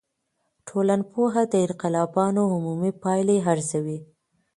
ټولنپوه د انقلابونو عمومي پایلي ارزوي.